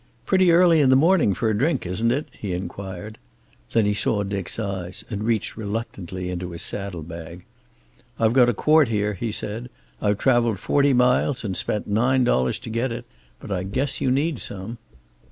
"Pretty early in the morning for a drink, isn't it?" he inquired. Then he saw Dick's eyes, and reached reluctantly into his saddle bag. "I've got a quart here," he said. "I've traveled forty miles and spent nine dollars to get it, but I guess you need some."